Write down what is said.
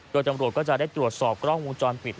โดยตำรวจก็จะได้ตรวจสอบกล้องวงจรปิด